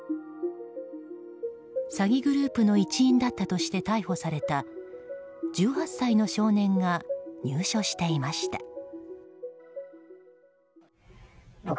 詐欺グループの一員だったとして逮捕された１８歳の少年が入所していました。